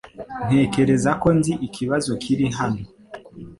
Ntekereza ko nzi ikibazo kiri hano